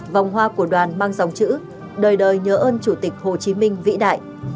vòng hoa của đoàn mang dòng chữ đời đời nhớ ơn chủ tịch hồ chí minh vĩ đại